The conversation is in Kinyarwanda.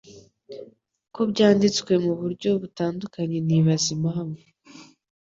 ko byanditswe mu buryo butandukanye nibaza impamvu